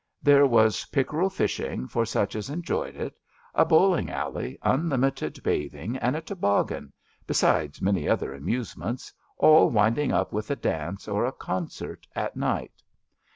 There 170 ABAFT THE FUNNEL was pickerel fishing for such as enjoyed it; a bowling alley, unlimited bathing and a toboggan, besides many other amusements, all winding up with a dance or a concert at night.